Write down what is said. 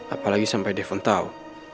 apalagi sampai depon tau